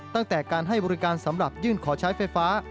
ตั้งแต่การให้บริการสำหรับยื่นขอใช้ไฟฟ้า